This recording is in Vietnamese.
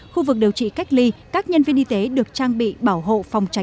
khu vực điều trị cách ly các nhân viên y tế được trang bị bảo hộ phòng tránh